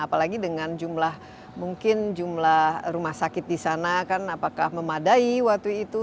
apalagi dengan jumlah mungkin jumlah rumah sakit di sana kan apakah memadai waktu itu